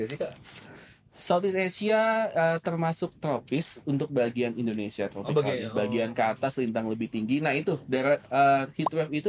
jika south asia termasuk tropis untuk bagian indonesia bagian ke atas lintang lebih tinggi nah itu